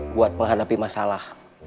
buat menghadapi masalah